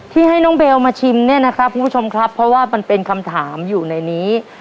ที่ให้น้องเบลมาชิมเนี่ยนะครับคุณผู้ชมครับเพราะว่ามันเป็นคำถามอยู่ในนี้